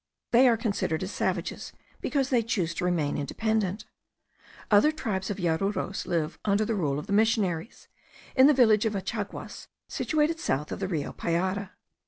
They are considered as savages because they choose to remain independent. Other tribes of Yaruros live under the rule of the missionaries, in the village of Achaguas, situated south of the Rio Payara.